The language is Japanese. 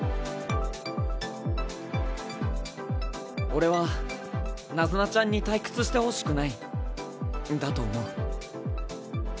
俺はナズナちゃんに退屈してほしくないんだと思う。